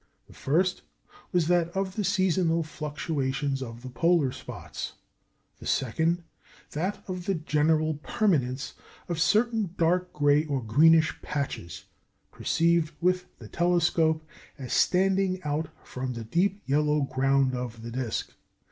The first was that of the seasonal fluctuations of the polar spots; the second, that of the general permanence of certain dark gray or greenish patches, perceived with the telescope as standing out from the deep yellow ground of the disc.